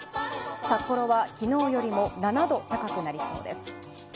札幌は昨日よりも７度高くなりそうです。